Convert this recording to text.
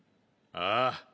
ああ。